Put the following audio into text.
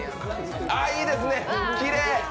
ああ、いいですね、きれい。